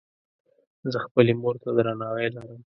زۀ خپلې مور ته درناوی لرم.